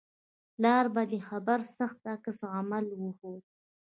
پلار په دې خبرې سخت عکس العمل وښود